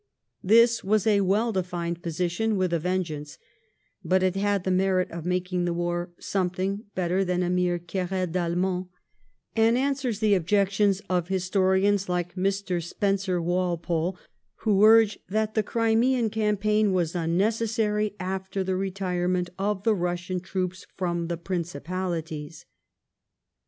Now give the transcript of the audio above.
This was a well defined position with a vengeance ; hut it had the merit of making the war something hetteir than a mere querelle (TAllemand, and answers the objec tions of historians like Mr. Spencer Walpole, who urge that the Crimean campaign was unnecessary after the re* tirement of the Bussian troops from the Principalities.